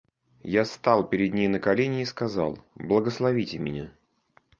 Я стал перед ней на колени и сказал: — Благословите меня.